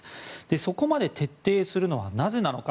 そこまで徹底するのはなぜなのか。